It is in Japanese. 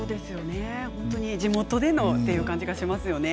地元でのっていう感じがしますよね。